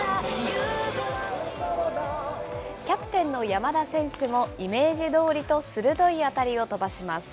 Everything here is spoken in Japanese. キャプテンの山田選手も、イメージどおりと鋭い当たりを飛ばします。